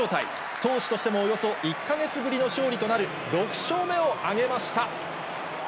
投手としてもおよそ１か月ぶりの勝利となる６勝目を挙げました。